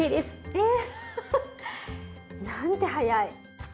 えっ？なんて早い。